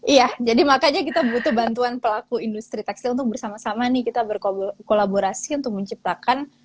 iya jadi makanya kita butuh bantuan pelaku industri tekstil untuk bersama sama nih kita berkolaborasi untuk menciptakan